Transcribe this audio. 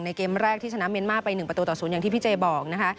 เกมแรกที่ชนะเมียนมาร์ไป๑ประตูต่อ๐อย่างที่พี่เจบอกนะคะ